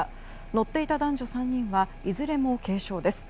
乗っていた男女３人はいずれも軽傷です。